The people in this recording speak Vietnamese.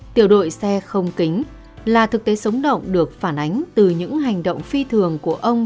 tiểu đội xe không kính là thực tế sống động được phản ánh từ những hành động phi thường của ông